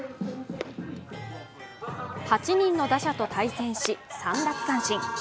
８人の打者と対戦し、３奪三振。